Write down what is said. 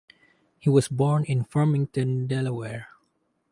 He was born in Farmington, Delaware.